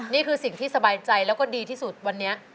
นี่คือสิ่งที่สบายใจแล้วก็ดีที่สุดวันนี้